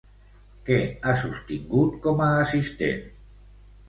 Què ha sostingut, com a assistent?